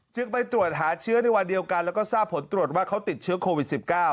จึงไปตรวจหาเชื้อในวันเดียวกันแล้วก็ทราบผลตรวจว่าเขาติดเชื้อโควิด๑๙